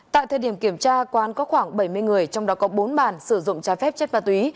tại thời điểm kiểm tra quán có khoảng bảy mươi người trong đó có bốn bàn sử dụng trái phép chất ma túy